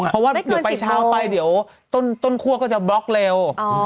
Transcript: เพราะว่าเดี๋ยวไปเช้าไปเดี๋ยวต้นคั่วก็จะบล็อกเร็ว